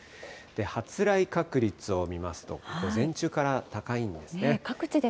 発雷確率を見ますと、午前中から高いんですね。